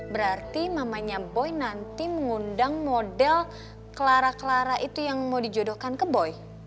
berarti mamanya boy nanti mengundang model clara clara itu yang mau dijodohkan ke boy